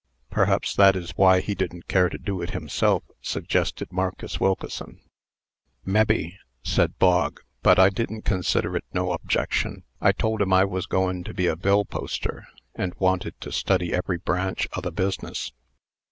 "Perhaps that is why he didn't care to do it himself," suggested Marcus Wilkeson. "Mebbe," said Bog; "but I didn't consider it no objection. I told him I was goin' to be a bill poster, and wanted to study every branch o' the business."